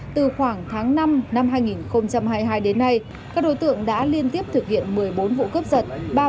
từ khoảng tháng năm năm hai nghìn hai mươi hai đến nay các đối tượng đã liên tiếp thực hiện một mươi bốn vụ cướp giật